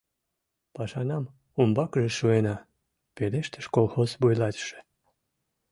— Пашанам умбакыже шуена, — пелештыш колхоз вуйлатыше.